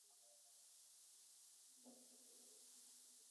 La ciudad dispone del aeropuerto internacional del El Arish.